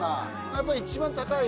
やっぱり一番高い。